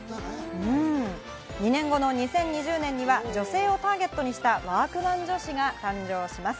２年後の２０２０年には女性をターゲットにしたワークマン女子が誕生します。